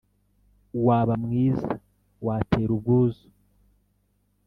Waba mwiza, watera ubwuzu,